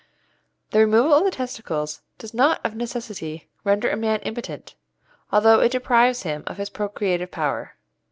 The removal of the testicles does not of necessity render a man impotent, although it deprives him of his procreative power.